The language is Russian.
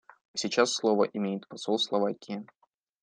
А сейчас слово имеет посол Словакии.